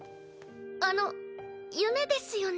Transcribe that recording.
あの夢ですよね？